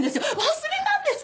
忘れたんですか！？